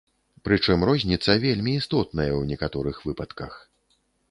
Прычым розніца вельмі істотная ў некаторых выпадках.